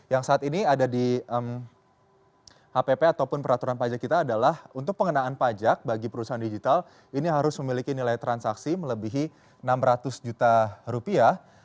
yang saat ini ada di hpp ataupun peraturan pajak kita adalah untuk pengenaan pajak bagi perusahaan digital ini harus memiliki nilai transaksi melebihi enam ratus juta rupiah